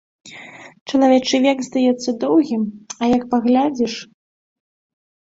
Чалавечы век, здаецца, доўгі, а як паглядзіш!